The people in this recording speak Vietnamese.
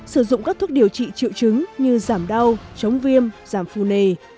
hai sử dụng các thuốc điều trị triệu chứng như giảm đau chống viêm giảm phu nề